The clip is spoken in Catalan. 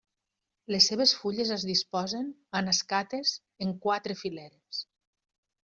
Les seves fulles es disposen en escates en quatre fileres.